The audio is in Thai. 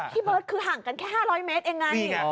ที่เบิร์ดคือห่างกันแค่๕๐๐เมตรอย่างนั้น